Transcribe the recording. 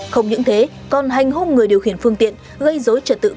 không những thế còn hành hung người điều khiển phương tiện gây dối trật tự